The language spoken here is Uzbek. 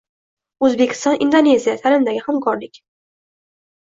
O‘zbekiston – Indoneziya: ta’limdagi hamkorlikng